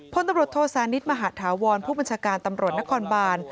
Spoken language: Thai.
พลตำรวจโทษานิทมหาธาวรผู้บัญชาการตำรวจนครบาน